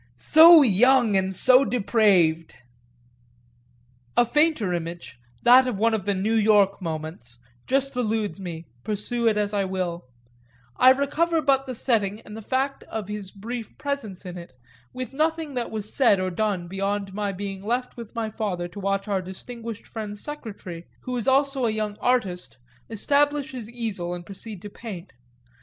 So young and so depraved!" A fainter image, that of one of the New York moments, just eludes me, pursue it as I will; I recover but the setting and the fact of his brief presence in it, with nothing that was said or done beyond my being left with my father to watch our distinguished friend's secretary, who was also a young artist, establish his easel and proceed to paint.